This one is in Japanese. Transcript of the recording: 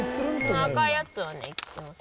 この赤いやつはね生きてます。